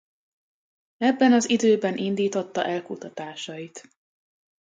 Ebben az időben indította el kutatásait.